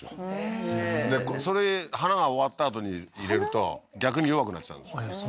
えーそれ花が終わったあとに入れると逆に弱くなっちゃうんですよえっ